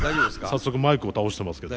早速マイクを倒してますけど。